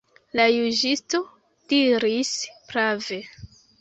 La juĝisto diris prave.